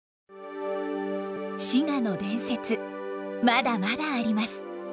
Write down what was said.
滋賀の伝説まだまだあります。